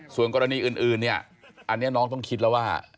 ส่วนกรณีอื่นเนี่ยอันนี้น้องต้องคิดแล้วว่า